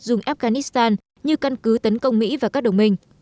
dùng afghanistan như căn cứ tấn công mỹ và các đồng minh